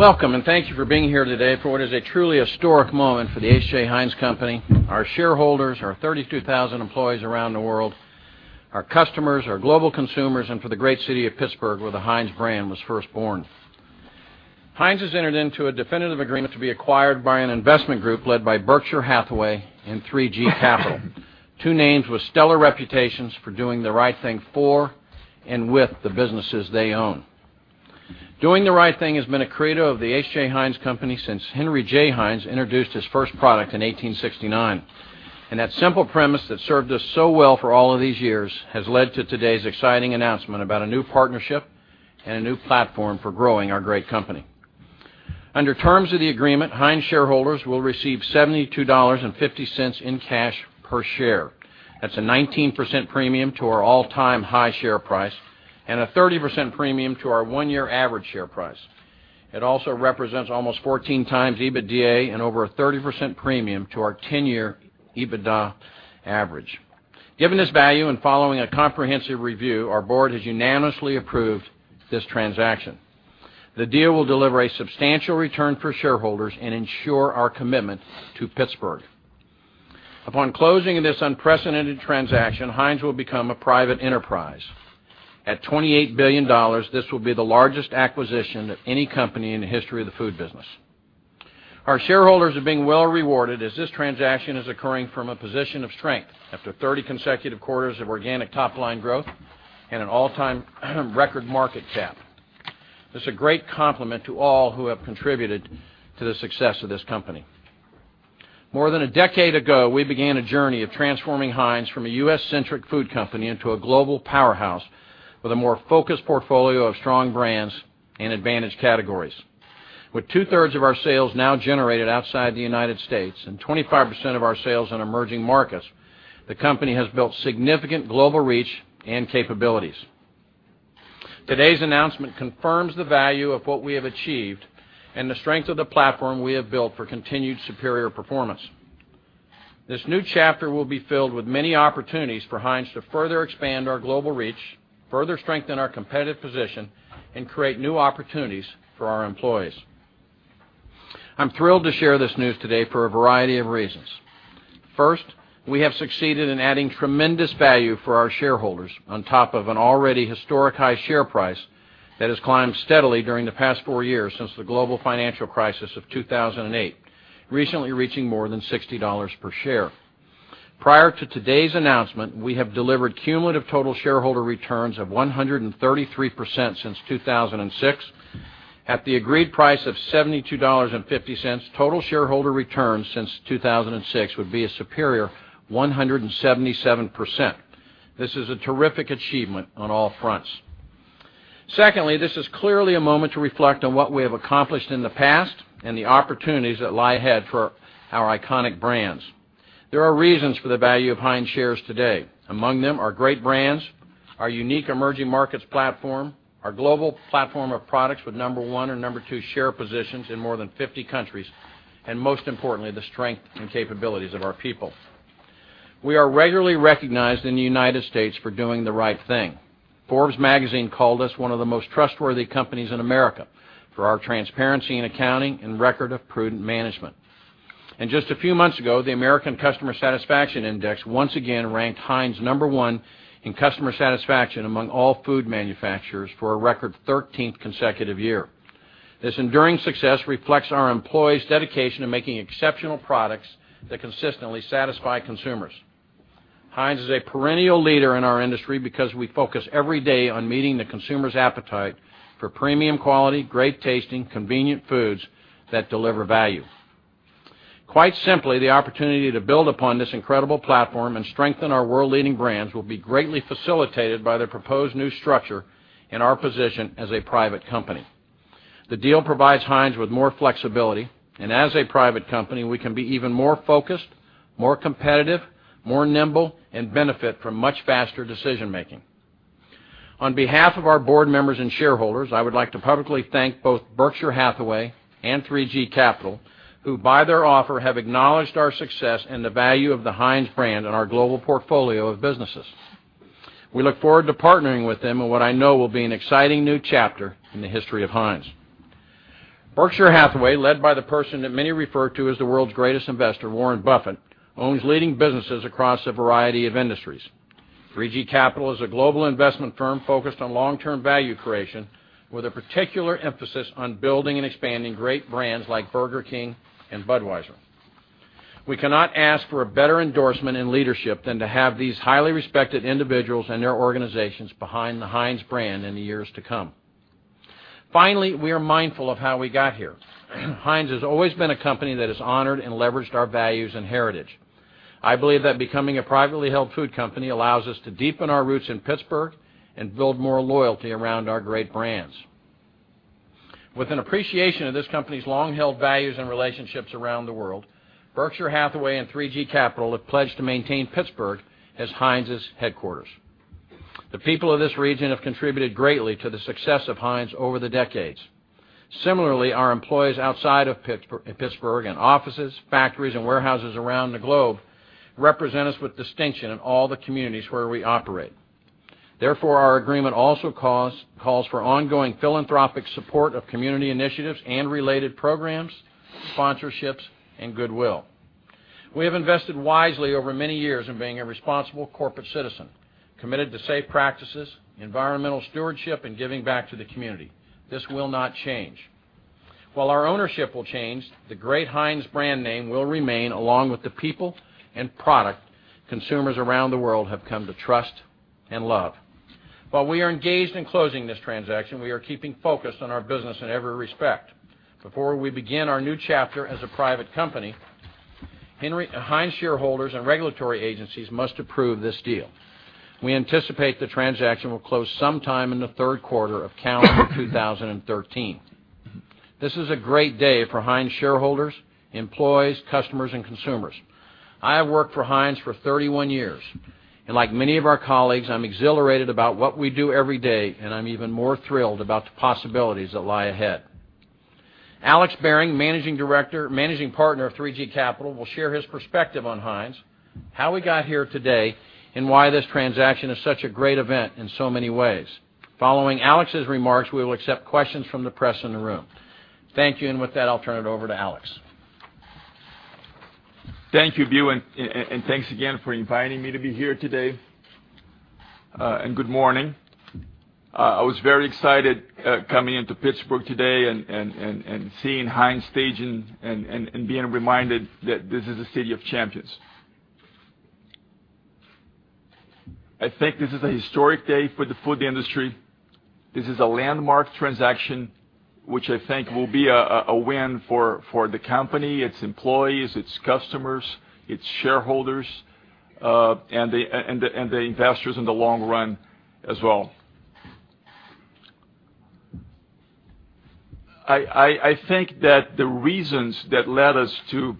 Welcome, thank you for being here today for what is a truly historic moment for the H.J. Heinz Company, our shareholders, our 32,000 employees around the world, our customers, our global consumers, and for the great city of Pittsburgh, where the Heinz brand was first born. Heinz has entered into a definitive agreement to be acquired by an investment group led by Berkshire Hathaway and 3G Capital, two names with stellar reputations for doing the right thing for and with the businesses they own. Doing the right thing has been a credo of the H.J. Heinz Company since Henry J. Heinz introduced his first product in 1869. That simple premise that served us so well for all of these years has led to today's exciting announcement about a new partnership and a new platform for growing our great company. Under terms of the agreement, Heinz shareholders will receive $72.50 in cash per share. That's a 19% premium to our all-time high share price and a 30% premium to our one-year average share price. It also represents almost 14 times EBITDA and over a 30% premium to our 10-year EBITDA average. Given this value and following a comprehensive review, our board has unanimously approved this transaction. The deal will deliver a substantial return for shareholders and ensure our commitment to Pittsburgh. Upon closing of this unprecedented transaction, Heinz will become a private enterprise. At $28 billion, this will be the largest acquisition of any company in the history of the food business. Our shareholders are being well rewarded as this transaction is occurring from a position of strength after 30 consecutive quarters of organic top-line growth and an all-time record market cap. This is a great compliment to all who have contributed to the success of this company. More than a decade ago, we began a journey of transforming Heinz from a U.S.-centric food company into a global powerhouse with a more focused portfolio of strong brands and advantage categories. With two-thirds of our sales now generated outside the United States and 25% of our sales in emerging markets, the company has built significant global reach and capabilities. Today's announcement confirms the value of what we have achieved and the strength of the platform we have built for continued superior performance. This new chapter will be filled with many opportunities for Heinz to further expand our global reach, further strengthen our competitive position, and create new opportunities for our employees. I'm thrilled to share this news today for a variety of reasons. First, we have succeeded in adding tremendous value for our shareholders on top of an already historic high share price that has climbed steadily during the past four years since the global financial crisis of 2008, recently reaching more than $60 per share. Prior to today's announcement, we have delivered cumulative total shareholder returns of 133% since 2006. At the agreed price of $72.50, total shareholder returns since 2006 would be a superior 177%. This is a terrific achievement on all fronts. Secondly, this is clearly a moment to reflect on what we have accomplished in the past and the opportunities that lie ahead for our iconic brands. There are reasons for the value of Heinz shares today. Among them are great brands, our unique emerging markets platform, our global platform of products with number 1 and number 2 share positions in more than 50 countries, and most importantly, the strength and capabilities of our people. We are regularly recognized in the U.S. for doing the right thing. Forbes Magazine called us one of the most trustworthy companies in America for our transparency in accounting and record of prudent management. Just a few months ago, the American Customer Satisfaction Index once again ranked Heinz number 1 in customer satisfaction among all food manufacturers for a record 13th consecutive year. This enduring success reflects our employees' dedication to making exceptional products that consistently satisfy consumers. Heinz is a perennial leader in our industry because we focus every day on meeting the consumer's appetite for premium quality, great tasting, convenient foods that deliver value. Quite simply, the opportunity to build upon this incredible platform and strengthen our world-leading brands will be greatly facilitated by the proposed new structure and our position as a private company. The deal provides Heinz with more flexibility, and as a private company, we can be even more focused, more competitive, more nimble, and benefit from much faster decision-making. On behalf of our board members and shareholders, I would like to publicly thank both Berkshire Hathaway and 3G Capital, who, by their offer, have acknowledged our success and the value of the Heinz brand and our global portfolio of businesses. We look forward to partnering with them in what I know will be an exciting new chapter in the history of Heinz. Berkshire Hathaway, led by the person that many refer to as the world's greatest investor, Warren Buffett, owns leading businesses across a variety of industries. 3G Capital is a global investment firm focused on long-term value creation with a particular emphasis on building and expanding great brands like Burger King and Budweiser. We cannot ask for a better endorsement in leadership than to have these highly respected individuals and their organizations behind the Heinz brand in the years to come. Finally, we are mindful of how we got here. Heinz has always been a company that has honored and leveraged our values and heritage. I believe that becoming a privately held food company allows us to deepen our roots in Pittsburgh and build more loyalty around our great brands. With an appreciation of this company's long-held values and relationships around the world, Berkshire Hathaway and 3G Capital have pledged to maintain Pittsburgh as Heinz's headquarters. The people of this region have contributed greatly to the success of Heinz over the decades. Similarly, our employees outside of Pittsburgh in offices, factories, and warehouses around the globe represent us with distinction in all the communities where we operate. Therefore, our agreement also calls for ongoing philanthropic support of community initiatives and related programs, sponsorships, and goodwill. We have invested wisely over many years in being a responsible corporate citizen, committed to safe practices, environmental stewardship, and giving back to the community. This will not change. While our ownership will change, the great Heinz brand name will remain, along with the people and product consumers around the world have come to trust and love. While we are engaged in closing this transaction, we are keeping focused on our business in every respect. Before we begin our new chapter as a private company, Heinz shareholders and regulatory agencies must approve this deal. We anticipate the transaction will close sometime in the third quarter of calendar 2013. This is a great day for Heinz shareholders, employees, customers, and consumers. I have worked for Heinz for 31 years, and like many of our colleagues, I'm exhilarated about what we do every day, and I'm even more thrilled about the possibilities that lie ahead. Alex Behring, Managing Partner of 3G Capital, will share his perspective on Heinz, how we got here today, and why this transaction is such a great event in so many ways. Following Alex's remarks, we will accept questions from the press in the room. Thank you, and with that, I'll turn it over to Alex. Thank you, Bill, and thanks again for inviting me to be here today, and good morning. I was very excited coming into Pittsburgh today and seeing Heinz Field and being reminded that this is a city of champions. I think this is a historic day for the food industry. This is a landmark transaction, which I think will be a win for the company, its employees, its customers, its shareholders, and the investors in the long run as well. I think that the reasons that led us to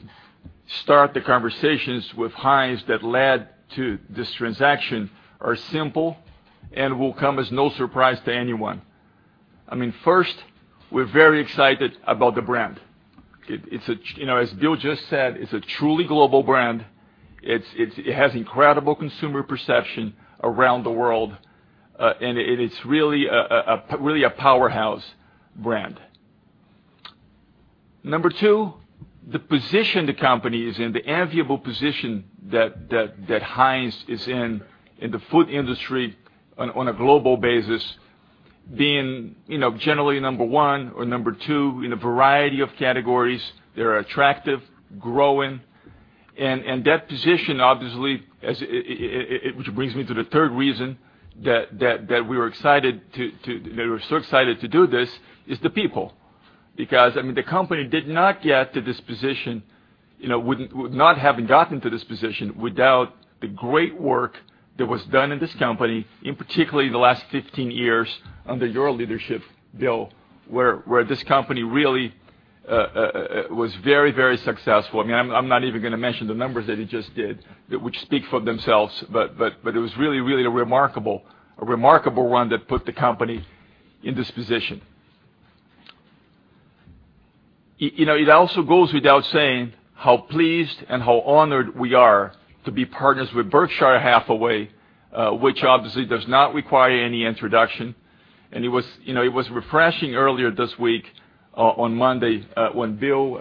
start the conversations with Heinz that led to this transaction are simple and will come as no surprise to anyone. First, we're very excited about the brand. As Bill just said, it's a truly global brand. It has incredible consumer perception around the world, and it is really a powerhouse brand. Number 2, the position the company is in, the enviable position that Heinz is in in the food industry on a global basis, being generally number 1 or number 2 in a variety of categories. They are attractive, growing, and that position, obviously, which brings me to the third reason that we were so excited to do this, is the people. The company would not have gotten to this position without the great work that was done in this company, in particular, the last 15 years under your leadership, Bill, where this company really was very successful. I'm not even going to mention the numbers that he just did, which speak for themselves, but it was really a remarkable run that put the company in this position. It also goes without saying how pleased and how honored we are to be partners with Berkshire Hathaway, which obviously does not require any introduction. It was refreshing earlier this week, on Monday, when Bill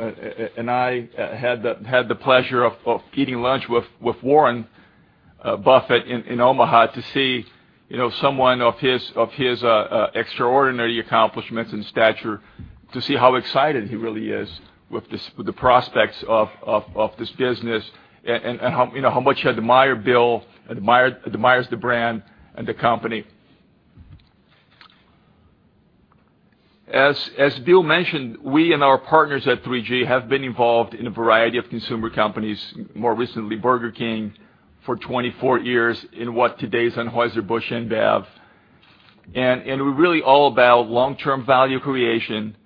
and I had the pleasure of eating lunch with Warren Buffett in Omaha to see someone of his extraordinary accomplishments and stature, to see how excited he really is with the prospects of this business and how much he admires Bill, admires the brand, and the company. As Bill mentioned, we and our partners at 3G have been involved in a variety of consumer companies, more recently Burger King for 24 years in what today is Anheuser-Busch InBev. We're really all about long-term value creation.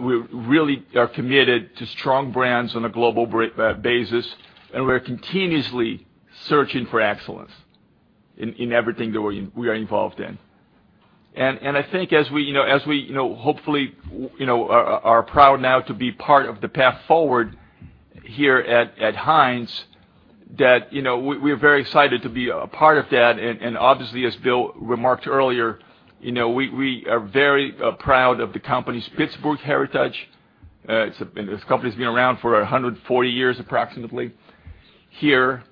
We really are committed to strong brands on a global basis, and we are continuously searching for excellence in everything that we are involved in. I think as we, hopefully, are proud now to be part of the path forward here at Heinz, that we're very excited to be a part of that. Obviously, as Bill remarked earlier, we are very proud of the company's Pittsburgh heritage. This company's been around for 140 years, approximately here,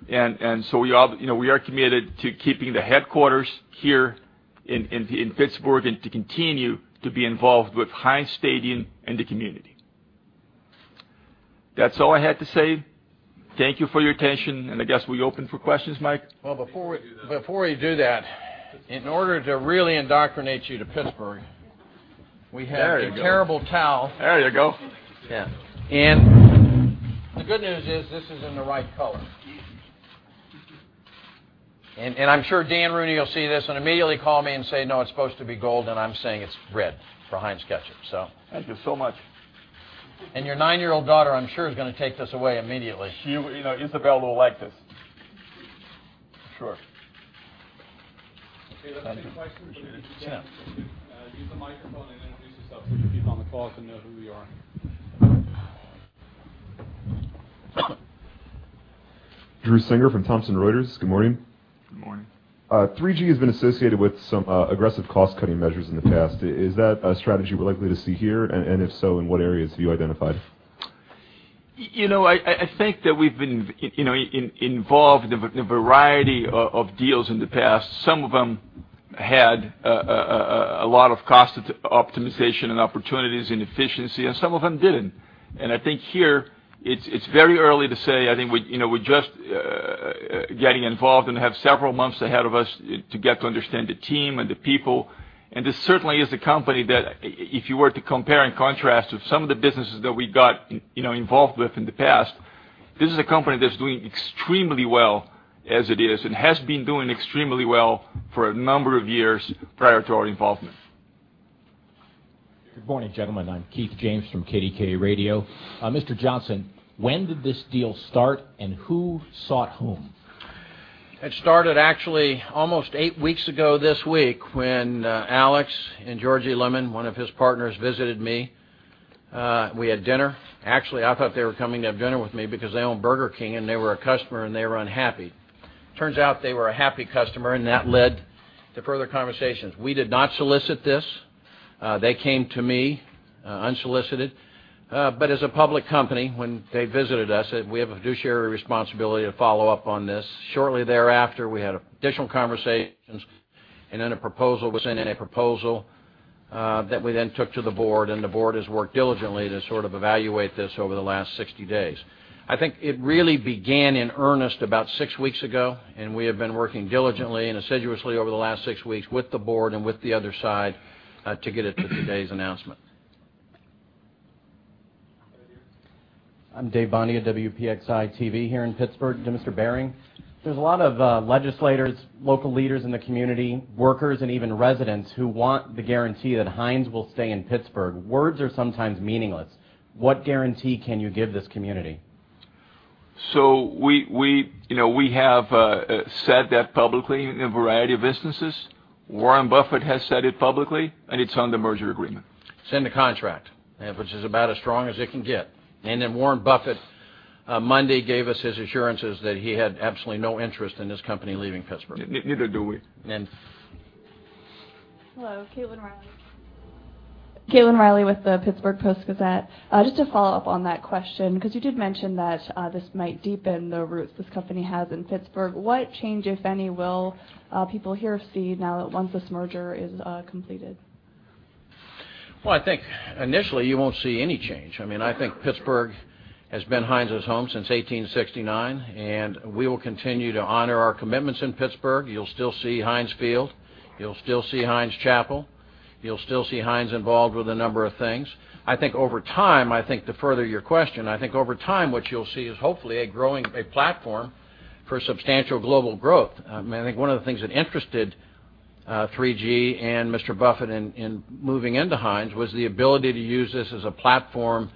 so we are committed to keeping the headquarters here in Pittsburgh and to continue to be involved with Heinz Field and the community. That's all I had to say. Thank you for your attention, I guess we open for questions, Mike? Well, before you do that, in order to really indoctrinate you to Pittsburgh, we have a Terrible Towel. There you go. Yeah. The good news is this is in the right color. I'm sure Dan Rooney will see this and immediately call me and say, "No, it's supposed to be gold," I'm saying it's red for Heinz Ketchup. Thank you so much. Your nine-year-old daughter, I'm sure, is going to take this away immediately. Isabel will like this. Sure. Okay, let's take questions. Use the microphone, and then introduce yourself so the people on the call can know who we are. Drew Singer from Thomson Reuters. Good morning. Good morning. 3G has been associated with some aggressive cost-cutting measures in the past. Is that a strategy we're likely to see here, and if so, in what areas have you identified? I think that we've been involved in a variety of deals in the past. Some of them had a lot of cost optimization and opportunities in efficiency, and some of them didn't. I think here, it's very early to say. I think we're just getting involved and have several months ahead of us to get to understand the team and the people. This certainly is a company that, if you were to compare and contrast with some of the businesses that we got involved with in the past, this is a company that's doing extremely well as it is and has been doing extremely well for a number of years prior to our involvement. Good morning, gentlemen. I'm Keith James from KDKA Radio. Mr. Johnson, when did this deal start, and who sought whom? It started actually almost 8 weeks ago this week when Alex and Jorge Lemann, one of his partners, visited me. We had dinner. Actually, I thought they were coming to have dinner with me because they own Burger King, and they were a customer, and they were unhappy. Turns out they were a happy customer, and that led to further conversations. We did not solicit this. They came to me unsolicited. As a public company, when they visited us, we have a fiduciary responsibility to follow up on this. Shortly thereafter, we had additional conversations, and then a proposal was sent in, a proposal that we then took to the board, and the board has worked diligently to sort of evaluate this over the last 60 days. I think it really began in earnest about 6 weeks ago, and we have been working diligently and assiduously over the last 6 weeks with the board and with the other side to get it to today's announcement. I'm Dave Bondy, WPXI-TV here in Pittsburgh. To Mr. Behring, there's a lot of legislators, local leaders in the community, workers, and even residents who want the guarantee that Heinz will stay in Pittsburgh. Words are sometimes meaningless. What guarantee can you give this community? We have said that publicly in a variety of instances. Warren Buffett has said it publicly, and it's on the merger agreement. It's in the contract, which is about as strong as it can get. Warren Buffett on Monday gave us his assurances that he had absolutely no interest in this company leaving Pittsburgh. Neither do we. And Hello, Caitlin Riley. Caitlin Riley with the Pittsburgh Post-Gazette. Just to follow up on that question, because you did mention that this might deepen the roots this company has in Pittsburgh. What change, if any, will people here see now once this merger is completed? Well, I think initially you won't see any change. I think Pittsburgh has been Heinz's home since 1869, and we will continue to honor our commitments in Pittsburgh. You'll still see Heinz Field, you'll still see Heinz Chapel, you'll still see Heinz involved with a number of things. I think over time, I think to further your question, I think over time what you'll see is hopefully a platform for substantial global growth. I think one of the things that interested 3G and Mr. Buffett in moving into Heinz was the ability to use this as a platform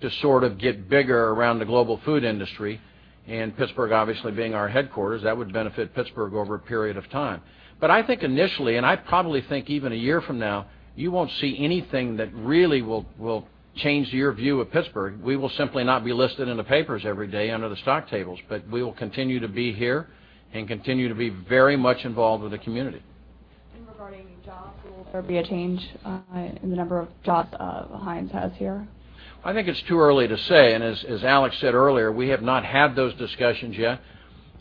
to sort of get bigger around the global food industry, and Pittsburgh obviously being our headquarters, that would benefit Pittsburgh over a period of time. I think initially, and I probably think even a year from now, you won't see anything that really will change your view of Pittsburgh. We will simply not be listed in the papers every day under the stock tables, we will continue to be here and continue to be very much involved with the community. Regarding jobs, will there be a change in the number of jobs Heinz has here? I think it's too early to say, as Alex said earlier, we have not had those discussions yet.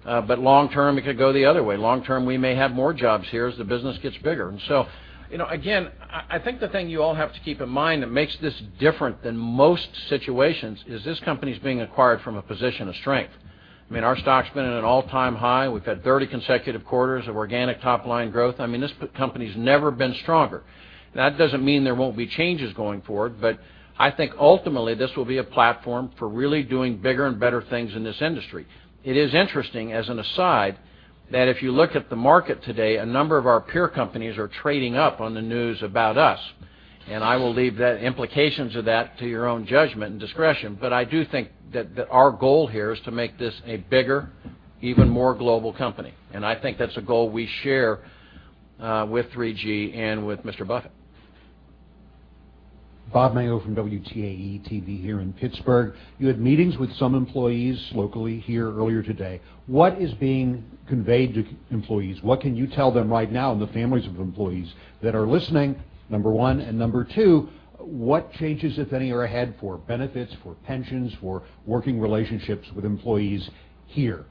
Long term, it could go the other way. Long term, we may have more jobs here as the business gets bigger. Again, I think the thing you all have to keep in mind that makes this different than most situations is this company's being acquired from a position of strength. Our stock's been at an all-time high. We've had 30 consecutive quarters of organic top-line growth. This company's never been stronger. That doesn't mean there won't be changes going forward, I think ultimately this will be a platform for really doing bigger and better things in this industry. It is interesting, as an aside, that if you look at the market today, a number of our peer companies are trading up on the news about us, and I will leave the implications of that to your own judgment and discretion. I do think that our goal here is to make this a bigger, even more global company, and I think that's a goal we share with 3G and with Mr. Buffett. Bob Mayo from WTAE-TV here in Pittsburgh. You had meetings with some employees locally here earlier today. What is being conveyed to employees? What can you tell them right now and the families of employees that are listening, number 1? Number 2, what changes, if any, are ahead for benefits, for pensions, for working relationships with employees here?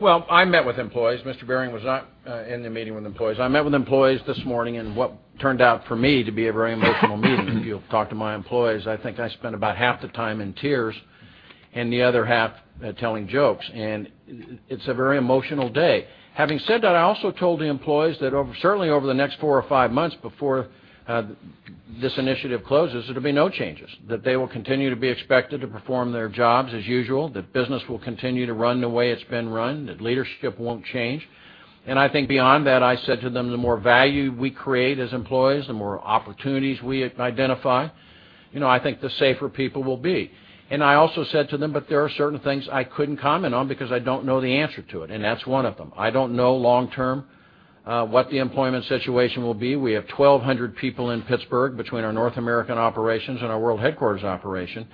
Well, I met with employees. Mr. Behring was not in the meeting with employees. I met with employees this morning in what turned out for me to be a very emotional meeting. If you talk to my employees, I think I spent about half the time in tears and the other half telling jokes, and it's a very emotional day. Having said that, I also told the employees that certainly over the next four or five months before this initiative closes, there will be no changes, that they will continue to be expected to perform their jobs as usual, that business will continue to run the way it's been run, that leadership won't change. I think beyond that, I said to them, the more value we create as employees, the more opportunities we identify, I think the safer people will be. I also said to them, there are certain things I couldn't comment on because I don't know the answer to it, and that's one of them. I don't know long term what the employment situation will be. We have 1,200 people in Pittsburgh between our North American operations and our world headquarters operation.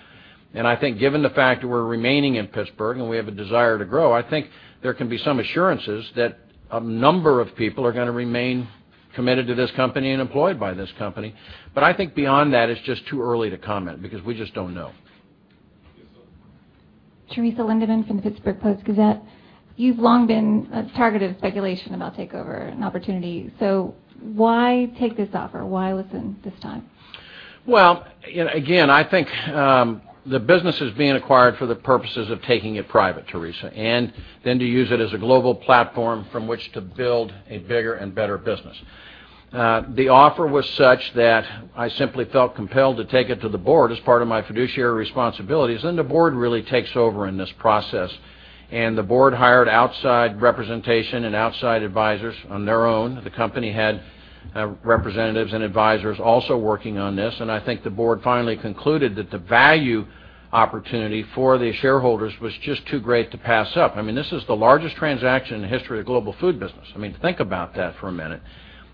I think given the fact that we're remaining in Pittsburgh and we have a desire to grow, I think there can be some assurances that a number of people are going to remain committed to this company and employed by this company. I think beyond that, it's just too early to comment because we just don't know. Yes, ma'am. Teresa Lindeman from the Pittsburgh Post-Gazette. You've long been a target of speculation about takeover and opportunity, why take this offer? Why listen this time? Again, I think, the business is being acquired for the purposes of taking it private, Teresa, to use it as a global platform from which to build a bigger and better business. The offer was such that I simply felt compelled to take it to the board as part of my fiduciary responsibilities. The board really takes over in this process, the board hired outside representation and outside advisors on their own. The company had representatives and advisors also working on this, I think the board finally concluded that the value opportunity for the shareholders was just too great to pass up. This is the largest transaction in the history of the global food business. Think about that for a minute.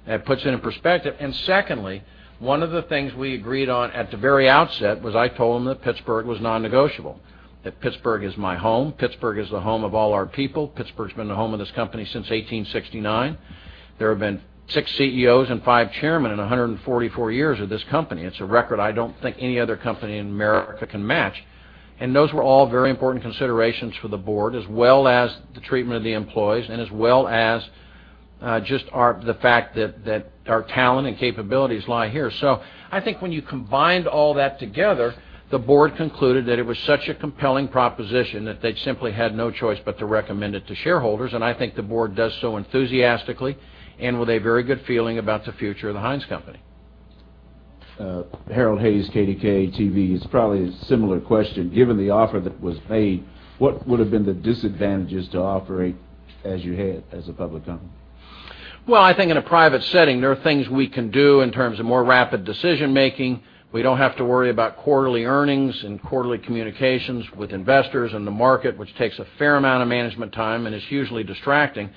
That puts it in perspective. Secondly, one of the things we agreed on at the very outset was I told them that Pittsburgh was non-negotiable, that Pittsburgh is my home. Pittsburgh is the home of all our people. Pittsburgh's been the home of this company since 1869. There have been six CEOs and five chairmen in 144 years of this company. It's a record I don't think any other company in America can match. Those were all very important considerations for the board, as well as the treatment of the employees as well as just the fact that our talent and capabilities lie here. I think when you combined all that together, the board concluded that it was such a compelling proposition that they simply had no choice but to recommend it to shareholders, and I think the board does so enthusiastically and with a very good feeling about the future of the Heinz Company. Harold Hayes, KDKA-TV. It's probably a similar question. Given the offer that was made, what would have been the disadvantages to operating as you had as a public company? I think in a private setting, there are things we can do in terms of more rapid decision making. We don't have to worry about quarterly earnings and quarterly communications with investors and the market, which takes a fair amount of management time and is hugely distracting.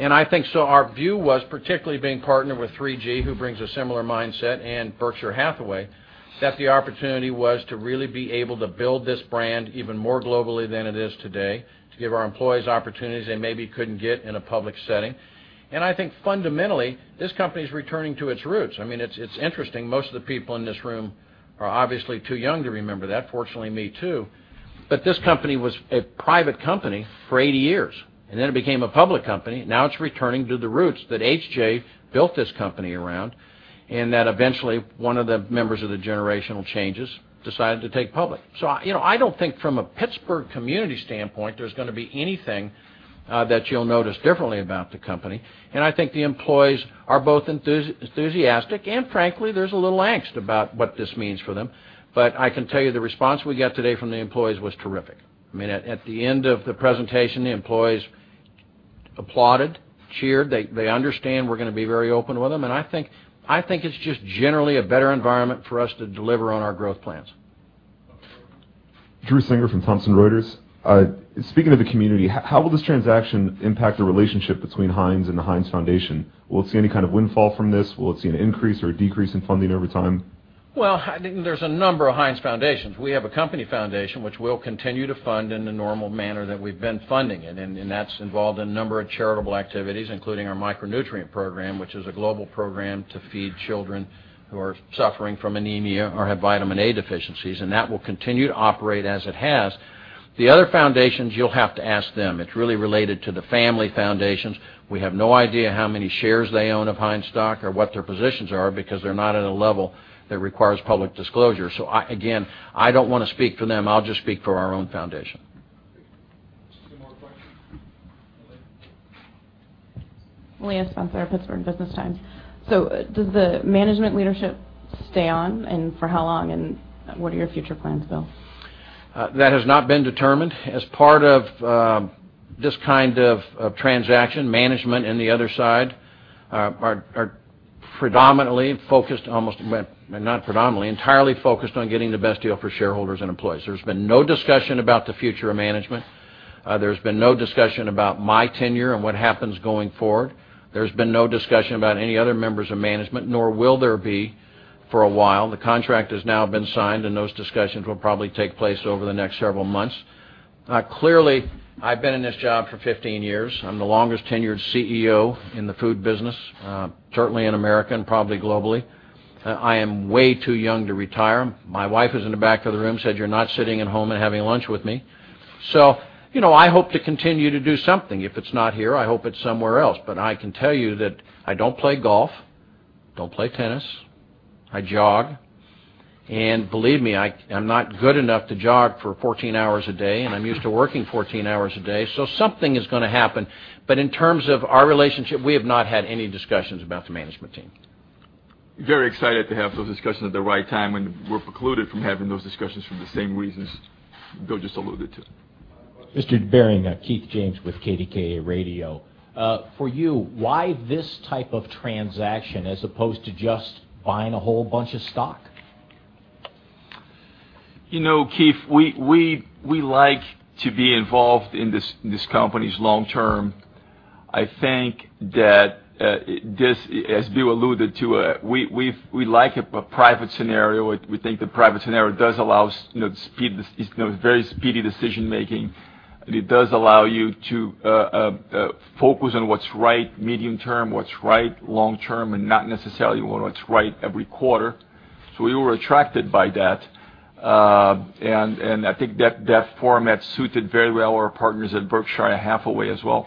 Our view was, particularly being partnered with 3G, who brings a similar mindset, and Berkshire Hathaway, that the opportunity was to really be able to build this brand even more globally than it is today, to give our employees opportunities they maybe couldn't get in a public setting. Fundamentally, this company is returning to its roots. It's interesting, most of the people in this room are obviously too young to remember that. Fortunately, me too. This company was a private company for 80 years, and then it became a public company. It's returning to the roots that H.J. built this company around, and that eventually one of the members of the generational changes decided to take public. I don't think from a Pittsburgh community standpoint, there's going to be anything that you'll notice differently about the company, and I think the employees are both enthusiastic, and frankly, there's a little angst about what this means for them. I can tell you the response we got today from the employees was terrific. At the end of the presentation, the employees applauded, cheered. They understand we're going to be very open with them, and I think it's just generally a better environment for us to deliver on our growth plans. Drew Singer from Thomson Reuters. Speaking of the community, how will this transaction impact the relationship between Heinz and the Heinz Foundation? Will it see any kind of windfall from this? Will it see an increase or a decrease in funding over time? Well, there's a number of Heinz foundations. We have a company foundation which we'll continue to fund in the normal manner that we've been funding in, and that's involved in a number of charitable activities, including our micronutrient program, which is a global program to feed children who are suffering from anemia or have vitamin A deficiencies, and that will continue to operate as it has. The other foundations, you'll have to ask them. It's really related to the family foundations. We have no idea how many shares they own of Heinz stock or what their positions are because they're not at a level that requires public disclosure. Again, I don't want to speak for them. I'll just speak for our own foundation. Two more questions. Leah. Leah Spencer at Pittsburgh Business Times. Does the management leadership stay on, and for how long, and what are your future plans, Bill? That has not been determined. As part of this kind of transaction, management and the other side are not predominantly, entirely focused on getting the best deal for shareholders and employees. There's been no discussion about the future of management. There's been no discussion about my tenure and what happens going forward. There's been no discussion about any other members of management, nor will there be for a while. The contract has now been signed, and those discussions will probably take place over the next several months. Clearly, I've been in this job for 15 years. I'm the longest-tenured CEO in the food business, certainly in America and probably globally. I am way too young to retire. My wife, who's in the back of the room, said, "You're not sitting at home and having lunch with me." I hope to continue to do something. If it's not here, I hope it's somewhere else. I can tell you that I don't play golf, don't play tennis. I jog, and believe me, I'm not good enough to jog for 14 hours a day, and I'm used to working 14 hours a day. Something is going to happen. In terms of our relationship, we have not had any discussions about the management team. Very excited to have those discussions at the right time, we're precluded from having those discussions for the same reasons Bill just alluded to. Mr. Behring, Keith James with KDKA Radio. For you, why this type of transaction as opposed to just buying a whole bunch of stock? Keith, we like to be involved in this company's long term. I think that this, as Bill alluded to, we like a private scenario. We think the private scenario does allow us very speedy decision making. It does allow you to focus on what's right medium term, what's right long term, and not necessarily on what's right every quarter. We were attracted by that. I think that format suited very well our partners at Berkshire Hathaway as well. Okay, that's it. Thanks, everyone, for coming. I appreciate you.